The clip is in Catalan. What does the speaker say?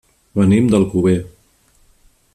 Venim d'Alcover.